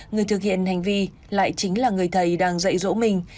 người thực hiện hành vi lại chính là người thầy đang dạy dỗ mình